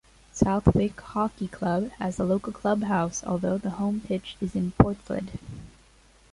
Southwick Hockey Club has a local clubhouse, although the home pitch is in Portslade.